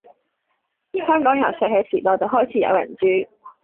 香港由石器時代就開始有人住